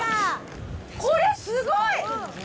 これ、すごい！